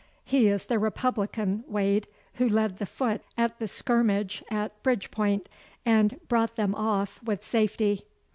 He is the republican Wade who led the foot at the skirmish at Bridport, and brought them off with safety.